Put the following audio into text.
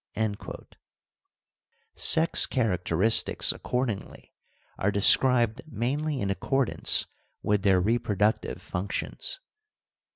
% Sex characteristics accordingly are described mainly in accordance with their reproductive func tions.